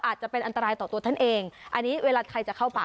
อาจจะเป็นอันตรายต่อตัวท่านเองอันนี้เวลาใครจะเข้าป่า